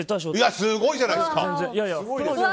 すごいじゃないですか！